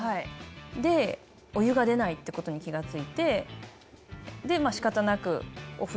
でお湯が出ないってことに気が付いて仕方なく。